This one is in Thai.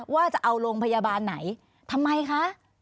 ว่าจะเอาโรงพยาบาลไหนทำไมคะ